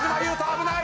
危ない！